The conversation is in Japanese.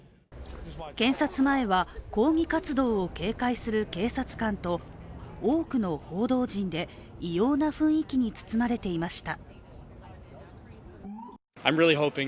検察前は、抗議活動を警戒する警察官と多くの報道陣で異様な雰囲気に包まれていました。